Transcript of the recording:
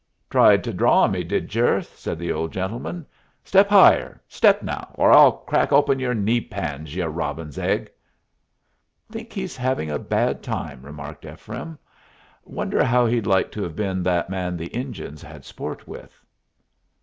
"Tried to draw on me, did yer?" said the old gentleman. "Step higher! Step, now, or I'll crack open yer kneepans, ye robin's egg." "Thinks he's having a bad time," remarked Ephraim. "Wonder how he'd like to have been that man the Injuns had sport with?"